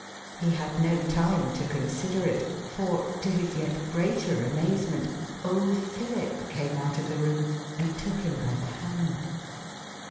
He had no time to consider it, for, to his yet greater amaze ment, old Philip came out of the room, and took him by the hand.